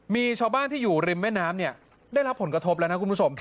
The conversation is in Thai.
มีชาวบ้านที่อยู่ริมแม่น้ำได้รับผลกระทบแล้วนะคุณผู้ชม